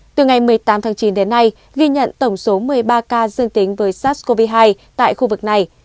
từ ngày một mươi tám tháng chín đến nay ghi nhận tổng số một mươi ba ca dương tính với sars cov hai tại khu vực này